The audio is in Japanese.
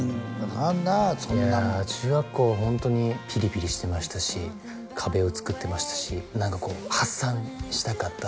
そんなもんいや中学校ホントにピリピリしてましたし壁をつくってましたし何かこう発散したかった